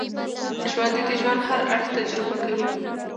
ژوندي د ژوند هر اړخ تجربه کوي